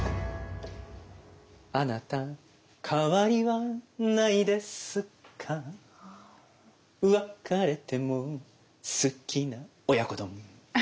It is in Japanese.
「あなたかわりはないですか」「別れても好きな親子丼」